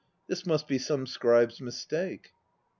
This must be some scribe's mistake.